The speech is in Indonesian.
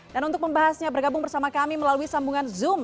dan untuk membahasnya bergabung bersama kami melalui sambungan zoom